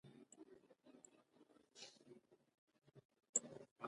خپل قلم مه ورکوه.